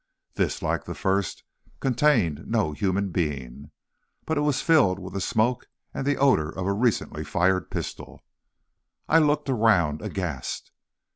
This, like the first, contained no human being, but it was filled with the smoke and the odor of a recently fired pistol. I looked around, aghast.